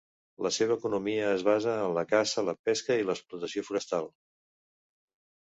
La seva economia es basa en la caça, la pesca i l'explotació forestal.